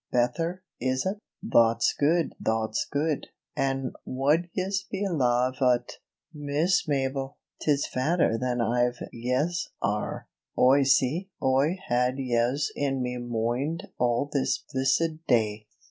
Betther, is ut? Thot's good, thot's good. An' wud yez belave ut, Miss Mabel, 'tis fatter than iver yez are, Oi see Oi had yez in me moind all this blissid day."